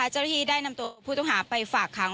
จะหลือจะได้นำตัวผู้ต้องหาไปฝากค้าง